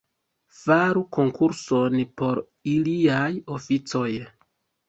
Faru konkurson por iliaj oficoj.